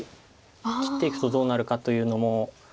切っていくとどうなるかというのも。